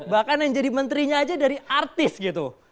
bahkan yang jadi menterinya aja dari artis gitu